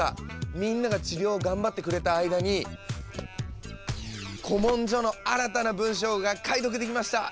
みんなが治療を頑張ってくれた間に古文書の新たな文章が解読できました！